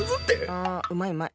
あうまいうまい。